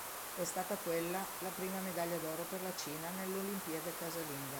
È stata quella la prima medaglia d'oro per la Cina nell'Olimpiade casalinga.